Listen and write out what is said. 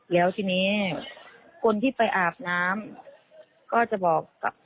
แต่วัดนี้ก็ไม่มีออก